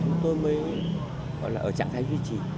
gọi là ở trạng thái duy trì